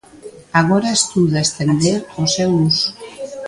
Agora estuda estender o seu uso.